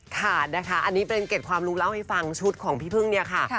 ค่ะนะคะอันนี้เป็นเกร็ดความรู้เล่าให้ฟังชุดของพี่พึ่งเนี่ยค่ะ